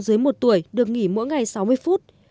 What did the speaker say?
dưới một tuổi được nghỉ mỗi ngày sáu mươi phút